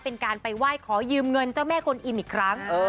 เป็นการไปไหว้ขอยืมเงินเจ้าแม่กลอิมอีกครั้ง